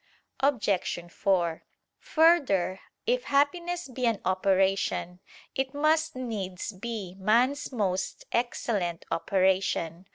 Obj. 4: Further, if happiness be an operation, it must needs be man's most excellent operation.